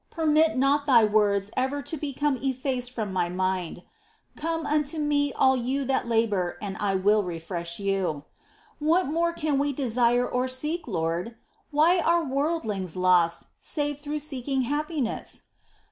^ Permit not Thy words ever to become effaced from my mind :" Come unto Me all you that labour and I will refresh you." ■* What more can we desire or seek, Lord ? Why are worldlings lost, save through seeking happiness